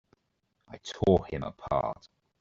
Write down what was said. I tore him apart!